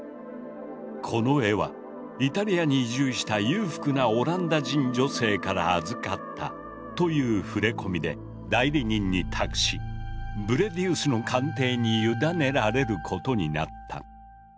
この絵は「イタリアに移住した裕福なオランダ人女性から預かった」という触れ込みで代理人に託しブレディウスの鑑定に委ねられることになった。